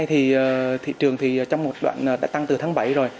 thị trường đã tăng từ tháng bảy rồi